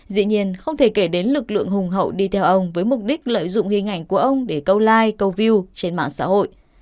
dĩ nhiên không thể kể đến lực lượng hùng hậu đi theo ông với mục đích lợi dụng hình ảnh của ông để câu like câu view trên mạng xã hội